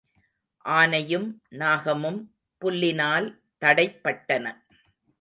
ஆனையும் நாகமும் புல்லினால் தடைப்பட்டன.